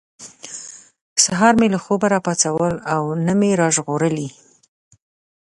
سهار مې له خوبه را پاڅول او نه مې را ژغورلي.